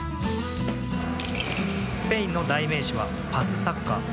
スペインの代名詞はパスサッカー。